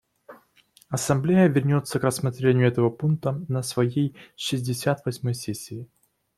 Ассамблея вернется к рассмотрению этого пункта на своей шестьдесят восьмой сессии.